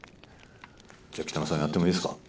じゃあ北村さんやってもいいですか？